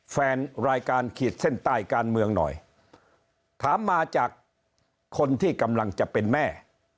แฟนรายการขีดเส้นใต้การเมืองหน่อยถามมาจากคนที่กำลังจะเป็นแม่